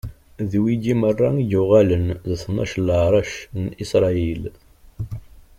D wigi meṛṛa i yuɣalen d tnac n leɛṛac n Isṛayil.